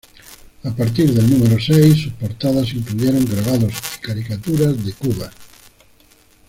A partir del número seis, sus portadas incluyeron grabados y caricaturas de Cubas.